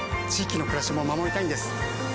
域の暮らしも守りたいんです。